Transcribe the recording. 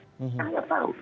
saya nggak tahu